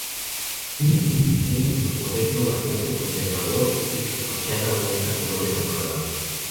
Tiene un diseño postmoderno bastante conservador y su fachada muestra colores apagados.